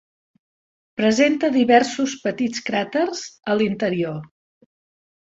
Presenta diversos petits cràters a l'interior.